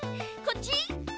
こっち？」